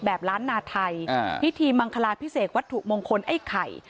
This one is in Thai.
ล้านนาไทยพิธีมังคลาพิเศษวัตถุมงคลไอ้ไข่